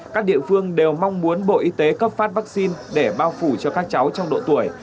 các địa phương đều mong muốn bộ y tế cấp phát vaccine để bao phủ cho các cháu trong độ tuổi